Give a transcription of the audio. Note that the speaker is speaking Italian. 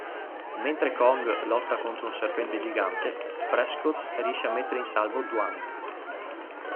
Mentre Kong lotta contro un serpente gigante, Prescott riesce a mettere in salvo Dwan.